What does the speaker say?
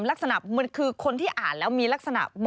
ลักษณะมันคือคนที่อ่านแล้วมีลักษณะ